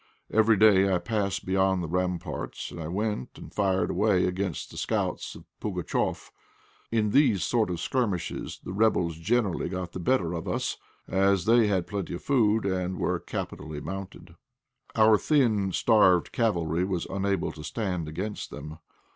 Every day I passed beyond the ramparts, and I went and fired away against the scouts of Pugatchéf. In these sort of skirmishes the rebels generally got the better of us, as they had plenty of food and were capitally mounted. Our thin, starved cavalry was unable to stand against them.